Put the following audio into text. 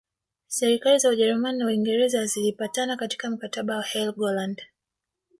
Serikali za Ujerumani na Uingereza zilipatana katika mkataba wa Helgoland